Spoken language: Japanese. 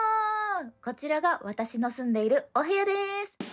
こちらが私が住んでいるお部屋でーす。